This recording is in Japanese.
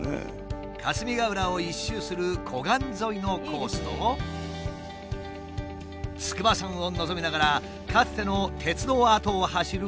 霞ヶ浦を一周する湖岸沿いのコースと筑波山を望みながらかつての鉄道跡を走るコース。